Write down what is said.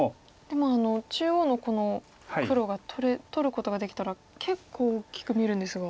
でも中央の黒が取ることができたら結構大きく見えるんですが。